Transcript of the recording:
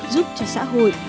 giúp cho xã hội cho cuộc đời